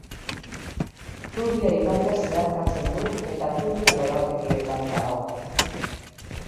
Turia ibaia zeharkatzen du eta Turia lorategietan dago.